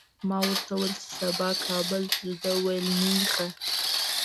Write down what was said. ما ورته وویل چي سبا کابل ته ځو، ده وویل نېخه!